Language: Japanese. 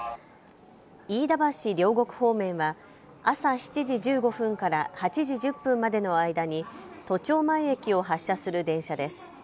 飯田橋・両国方面は朝７時１５分から８時１０分までの間に都庁前駅を発車する電車です。